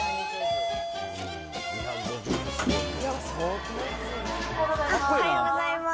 おはようございます。